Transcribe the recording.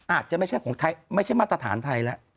อาจจะไม่ใช่มาตรฐานไทยแล้ว